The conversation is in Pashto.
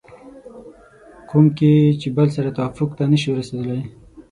کوم کې چې بل سره توافق ته نشو رسېدلی